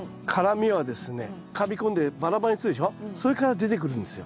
それから出てくるんですよ。